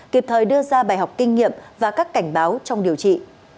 kịp thời đưa ra bài học kinh nghiệm và các cảnh báo trong điều trị